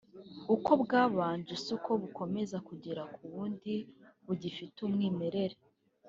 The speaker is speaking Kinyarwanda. uko bwabanje siko bukomeza kugera ku wundi bugifite umwimerere